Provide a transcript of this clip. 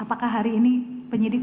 apakah hari ini penyidik